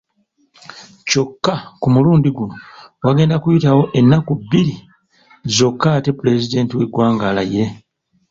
Kyokka ku mulundi guno wagenda kuyita ennaku bbiri zokka ate Pulezidenti w'eggwanga alayire